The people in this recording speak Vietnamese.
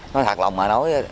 nó thật lòng mà nói